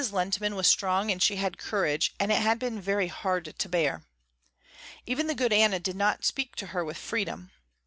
Lehntman was strong and she had courage, but it had been very hard to bear. Even the good Anna did not speak to her with freedom.